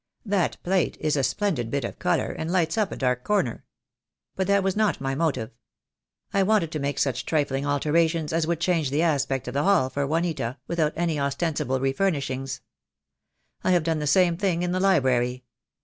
That plate is a splendid bit of colour, and lights up a dark corner. But that was not my motive. I wanted to make such trifling alterations as would change the aspect of the hall for Juanita, without any ostensible refurnishing. I have done the same thing in the library.